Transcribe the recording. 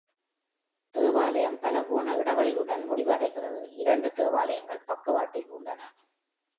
தேவாலயம் பலகோண இடைவெளியுடன் முடிவடைகிறது, இரண்டு தேவாலயங்கள் பக்கவாட்டில் உள்ளன.